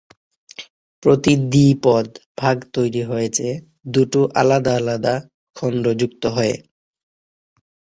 প্রতি দ্বী-পদ ভাগ তৈরি হয়েছে দুটো আলাদা আলাদা খন্ড যুক্ত হয়ে।